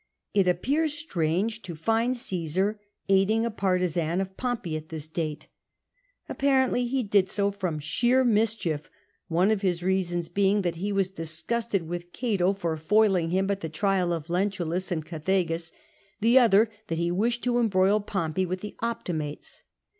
It appears strange to find Caesar aiding a partisan of Pompey at this date. Apparently he did so from sheer mischief, one of his reasons being that he was disgusted with Cato for foiling him at the trial of Lentulus and Oethegus ; the other, that he wished to embroil Pompey with the Optimates.